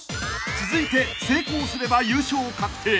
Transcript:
［続いて成功すれば優勝確定］